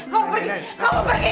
kamu pergi kamu pergi